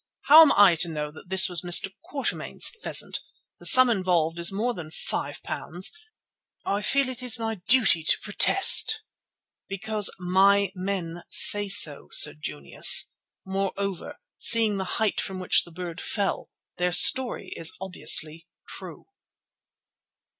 "How am I to know that this was Mr. Quatermain's pheasant? The sum involved is more than £5 and I feel it is my duty to protest." "Because my men say so, Sir Junius; moreover, seeing the height from which the bird fell, their story is obviously true."